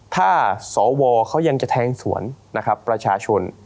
ถ้าสวเขายังจะแทงสวนนะครับประชาชน